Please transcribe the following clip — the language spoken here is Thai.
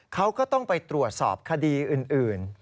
เขาก็ต้องไปตรวจสอบคดีอื่น